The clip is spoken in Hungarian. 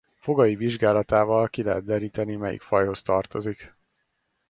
Fogai vizsgálatával ki lehet deríteni melyik fajhoz tartozik.